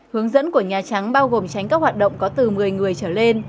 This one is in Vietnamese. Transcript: hướng dẫn của nhà trắng bao gồm tránh các hoạt động có từ một mươi người trở lên